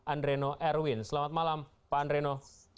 andreno erwin selamat malam pak andreno